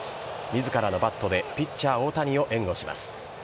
自らのバットでピッチャー・大谷を援護します。